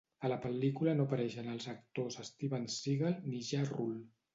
A la pel·lícula no apareixen els actors Steven Seagal ni Ja Rule.